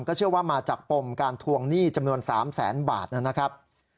เชื่อว่ามาจากปมการทวงหนี้จำนวน๓แสนบาทนะครับ